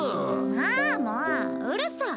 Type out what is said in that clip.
ああもううるさい。